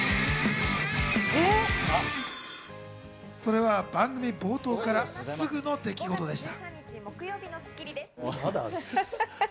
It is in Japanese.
それは番組冒頭からすぐの出来事でした。